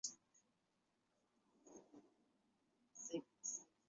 午间时段京成上野方向开出的普通列车有半数在此站折返。